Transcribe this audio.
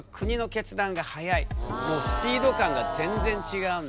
もうスピード感が全然違うんだよね。